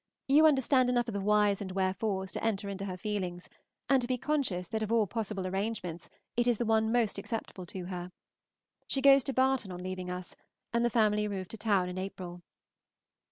You understand enough of the whys and wherefores to enter into her feelings, and to be conscious that of all possible arrangements it is the one most acceptable to her. She goes to Barton on leaving us, and the family remove to town in April.